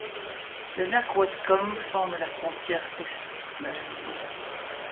Le lac Whatcom forme la frontière est de la ville.